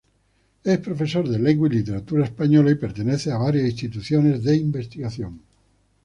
Es profesor de Lengua y Literatura española y pertenece a varias instituciones de investigación.